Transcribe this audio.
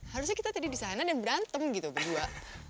harusnya kita tadi di sana dan berantem gitu berdua